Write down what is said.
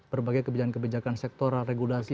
berbagai kebijakan kebijakan sektor regulasi